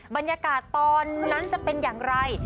บรรยากาศตอนนั้นจะเป็นอย่างไร